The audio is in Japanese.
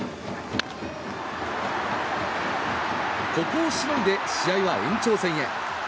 ここをしのいで試合は延長戦へ。